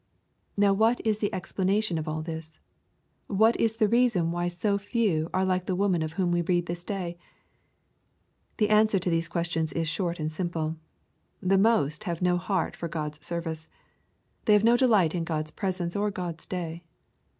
Now what is the explanation of all this ? What is the reason why so few are like the woman of whom we read this day ? The answer to these questions is short and simple. The most have no heart for God's service. They have no delight in God's presence or God's day.